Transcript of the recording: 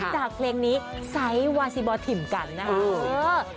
จากเพลงนี้ไซส์วาซิบอทิมกันนะคะ